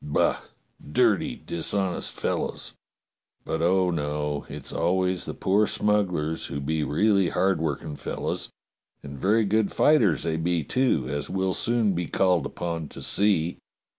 Bah! dirty, dishonest fellows! But, oh, no! It's al ways the poor smugglers who be really hard working 208 DOCTOR SYN fellows; and very good fighters they be, too, as we'll soon be called upon to see."